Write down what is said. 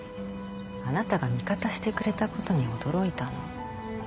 あなたが味方してくれたことに驚いたの。